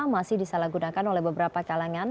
masih disalahgunakan oleh beberapa kalangan